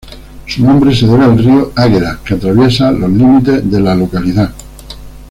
Su nombre se debe al río Águeda, que atraviesa los límites de la localidad.